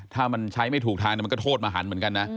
ถ้ามันใช้ไม่ถูกทางมันก็โทษมหันเหมือนกันนะ